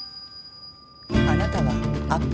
あなたはアップ